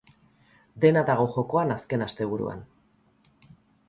Dena dago jokoan azken asteburuan.